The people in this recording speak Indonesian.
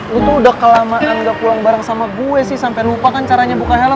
gue tuh udah kelamaan gak pulang bareng sama gue sih sampai lupa kan caranya buka helm